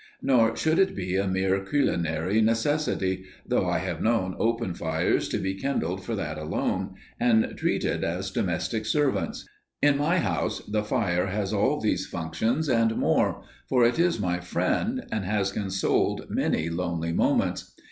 Nor should it be a mere culinary necessity, though I have known open fires to be kindled for that alone, and treated as domestic servants. In my house the fire has all these functions and more, for it is my friend and has consoled many lonely moments.